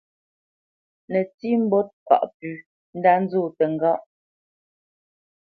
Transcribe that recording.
Nətsí mbót ŋkâʼ pʉ̌ ndá nzó təŋgáʼ.